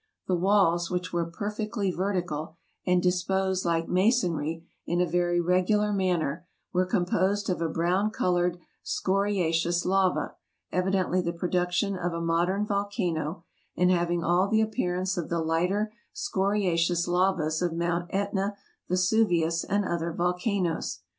The walls, which were perfectly vertical, and disposed like ma sonry in a very regular manner, were composed of a brown colored scoriaceous lava, evidently the production of a mod ern volcano, and having all the appearance of the lighter scoriaceous lavas of Mount y£tna, Vesuvius, and other volcanoes.